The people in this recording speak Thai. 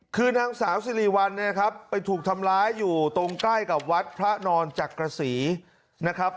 คือนางสาวสิริวัลเนี่ยครับไปถูกทำร้ายอยู่ตรงใกล้กับวัดพระนอนจักรศรีนะครับ